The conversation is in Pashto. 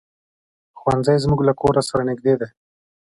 ښوونځی زمونږ له کور سره نږدې دی.